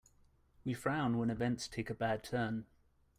We frown when events take a bad turn.